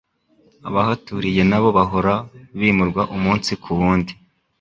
abahaturiye nabo bahora bimurwa umunsi ku wundi